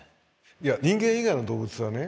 いや人間以外の動物はね